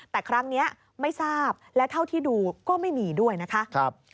แต่ครั้งนี้ไม่ทราบและเท่าที่ดูก็ไม่มีด้วยนะคะ